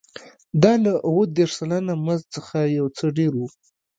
دا له اووه دېرش سلنه مزد څخه یو څه ډېر و